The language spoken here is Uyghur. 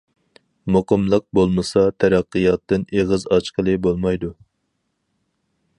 مۇقىملىق بولمىسا تەرەققىياتتىن ئېغىز ئاچقىلى بولمايدۇ.